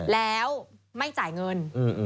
แล้วไม่จ่ายเงิน